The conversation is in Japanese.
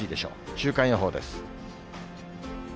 週間予報です。